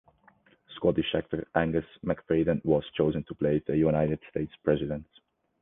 Scottish actor Angus Macfadyen was chosen to play the United States President.